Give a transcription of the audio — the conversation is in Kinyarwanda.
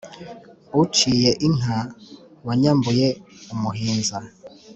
uyiciye inka wayambuye umuhinza.